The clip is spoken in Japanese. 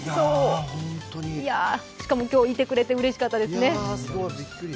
しかも、今日いてくれてうれしかったですね。